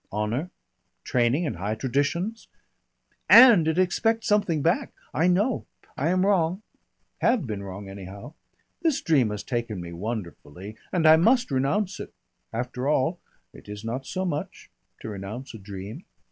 Honour. Training and high traditions " "And it expects something back. I know. I am wrong have been wrong anyhow. This dream has taken me wonderfully. And I must renounce it. After all it is not so much to renounce a dream.